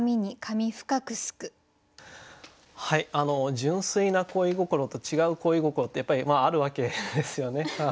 純粋な恋心と違う恋心ってやっぱりあるわけですよね。